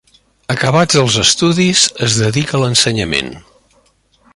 Acabats els estudis, es dedica a l’ensenyament.